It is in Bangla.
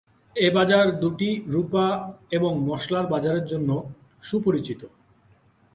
এই বাজার দুটি রূপা এবং মসলার বাজারের জন্য সুপরিচিত।